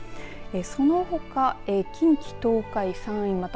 そのほか近畿、東海、山陰また